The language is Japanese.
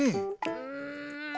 うん。